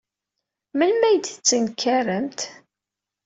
Melmi ay d-tettenkaremt?